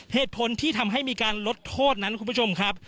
เหตุผลที่ทำให้มีการลดโทษนั้นคุณผู้ชมครับ